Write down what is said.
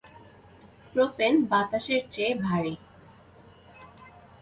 Propane বাতাসের চেয়ে ভারী।